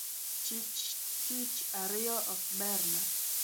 Chich tich ariyo ok berna